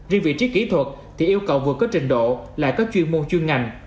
riêng vị trí kỹ thuật thì yêu cầu vượt có trình độ lại có chuyên môn chuyên ngành